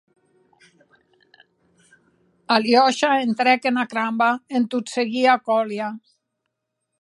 Aliosha entrèc ena cramba en tot seguir a Kolia.